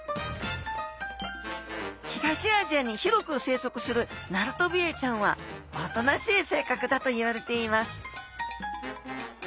東アジアに広く生息するナルトビエイちゃんはおとなしい性格だといわれています